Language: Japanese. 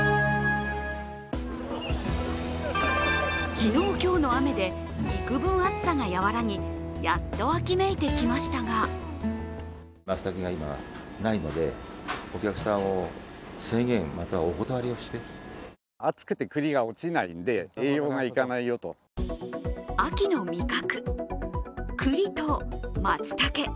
昨日今日の雨でいくぶん暑さが和らぎ、やっと秋めいてきましたが秋の味覚、栗と松茸。